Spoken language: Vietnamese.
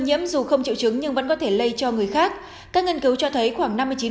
nhiễm dù không triệu chứng nhưng vẫn có thể lây cho người khác các nghiên cứu cho thấy khoảng